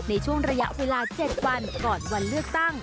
ในช่วงระยะเวลา๗วันก่อนวันเลือกตั้ง